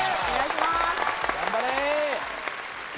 ・頑張れ！